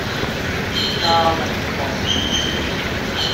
嘉齡道